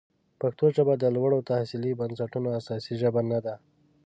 پښتو ژبه د لوړو تحصیلي بنسټونو اساسي ژبه نه ده.